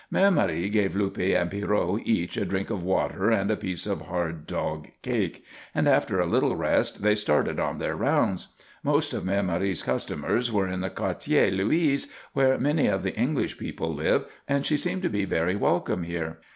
Mère Marie gave Luppe and Pierrot each a drink of water and a piece of hard dog cake, and after a little rest they started on their rounds. Most of Mère Marie's customers were in the Quartier Louise, where many of the English people live, and she seemed to be very welcome here.